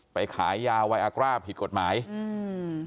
ขายยาไวอากร่าผิดกฎหมายอืม